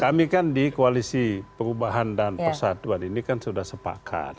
kami kan di koalisi perubahan dan persatuan ini kan sudah sepakat